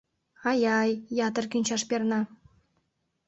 — Ай-ай, ятыр кӱнчаш перна!